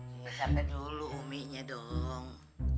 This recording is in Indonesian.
ngecam deh dulu uminya dong